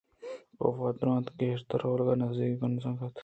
کافءَدرّائینتءُگیشتراولگا ءِنزّیکءَکنِز اِت